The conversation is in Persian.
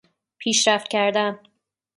پیشرفت کردن